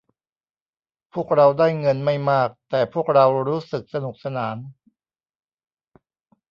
พวกเราได้เงินไม่มากแต่พวกเรารู้สึกสนุกสนาน